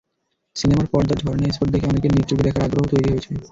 সিনেমার পর্দার ঝরনা স্পট দেখে অনেকের নিজ চোখে দেখার আগ্রহও তৈরি হয়েছে।